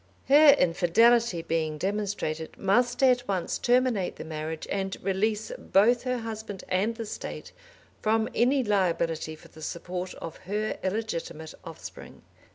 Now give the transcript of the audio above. Her infidelity being demonstrated, must at once terminate the marriage and release both her husband and the State from any liability for the support of her illegitimate offspring.